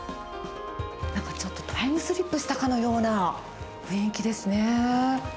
なんかちょっとタイムスリップしたかのような雰囲気ですね。